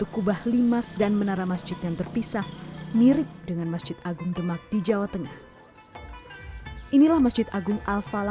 kampung jawa tondano